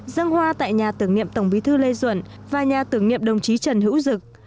dân hoa tại nhà tưởng niệm tổng bí thư lê duẩn và nhà tưởng niệm đồng chí trần hữu dực